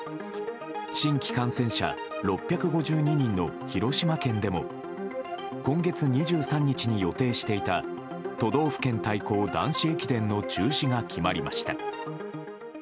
新規感染者６５２人の広島県でも今月２３日に予定していた都道府県対抗男子駅伝の中止が決まりました。